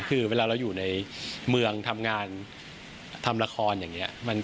คือเวลาเราอยู่ในเมืองทำงานทำละครอย่างนี้